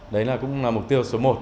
đấy là cũng là mục tiêu số một